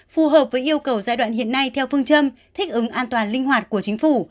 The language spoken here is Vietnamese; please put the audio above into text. phù hợp với yêu cầu giai đoạn hiện nay theo phương châm thích ứng an toàn linh hoạt của chính phủ